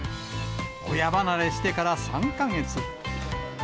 親離れしてから３か月。